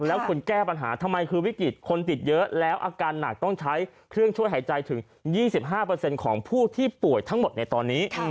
แล้วคุณแก้ปัญหาทำไมคือวิกฤตคนติดเยอะแล้วอาการหนักต้องใช้เครื่องช่วยหายใจถึง๒๕ของผู้ที่ป่วยทั้งหมดในตอนนี้